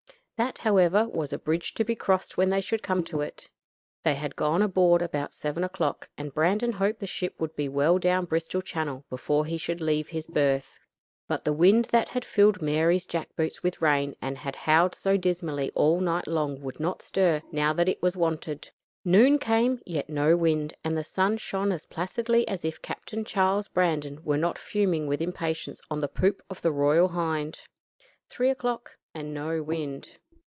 That, however, was a bridge to be crossed when they should come to it. They had gone aboard about seven o'clock, and Brandon hoped the ship would be well down Bristol channel before he should leave his berth. But the wind that had filled Mary's jack boots with rain and had howled so dismally all night long would not stir, now that it was wanted. Noon came, yet no wind, and the sun shone as placidly as if Captain Charles Brandon were not fuming with impatience on the poop of the Royal Hind. Three o'clock and no wind.